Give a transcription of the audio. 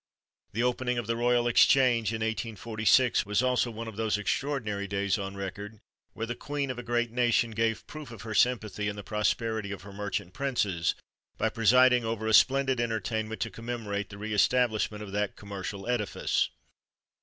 The opening of the Royal Exchange, in 1846, was also one of those extraordinary days on record, where the Queen of a great nation gave proof of her sympathy in the prosperity of her merchant princes, by presiding over a splendid entertainment to commemorate the re establishment of that commercial edifice.